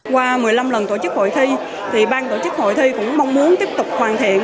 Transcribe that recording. qua một mươi năm lần tổ chức hội thi bang tổ chức hội thi cũng mong muốn tiếp tục hoàn thiện